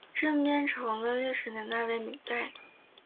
镇边城的历史年代为明代。